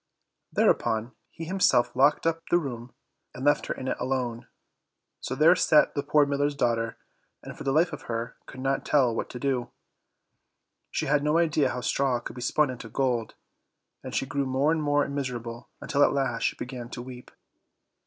Thereupon he himself locked up the room, and left her in it alone. So there sat the poor miller's daughter, and for the life of her could not tell what to do; she had no idea how straw could be spun into gold, and she grew more and more miserable, until at last she began to weep.